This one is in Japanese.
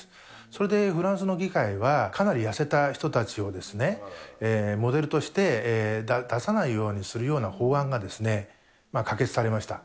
それでフランスの議会は、かなり痩せた人たちをですね、モデルとして出さないようにするような法案が可決されました。